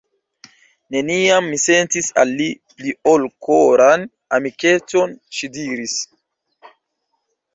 Neniam mi sentis al li pli ol koran amikecon, ŝi diris.